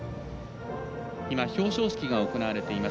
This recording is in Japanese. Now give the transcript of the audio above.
表彰式が行われています。